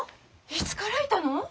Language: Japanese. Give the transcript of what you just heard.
いつからいたの？